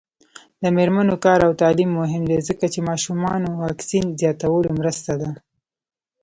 د میرمنو کار او تعلیم مهم دی ځکه چې ماشومانو واکسین زیاتولو مرسته ده.